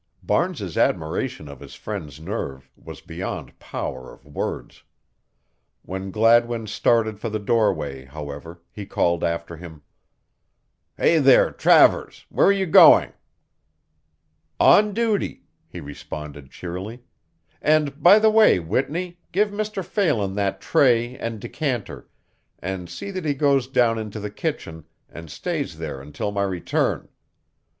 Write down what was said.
Barnes's admiration of his friend's nerve was beyond power of words. When Gladwin started for the doorway, however, he called after him: "Hey there, Travers, where are you going?" "On duty," he responded cheerily. "And by the way, Whitney, give Mr. Phelan that tray and decanter and see that he goes down into the kitchen and stays there until my return.